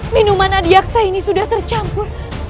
minuman adi aksa ini sudah tercampur